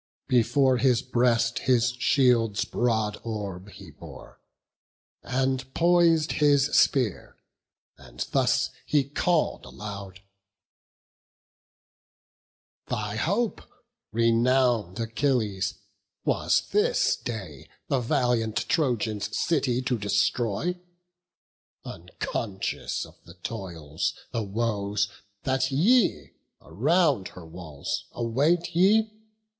Before his breast his shield's broad orb he bore, And pois'd his spear, as thus he call'd aloud: "Thy hope, renown'd Achilles, was this day The valiant Trojans' city to destroy; Unconscious of the toils, the woes, that ye Around her walls await ye!